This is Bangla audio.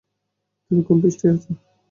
তুমি কোন পৃষ্ঠায় আছ?